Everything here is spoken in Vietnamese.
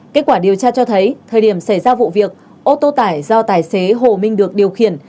kết quả điều tra cho thấy thời điểm xảy ra vụ việc ô tô tải do tài xế hồ minh được điều khiển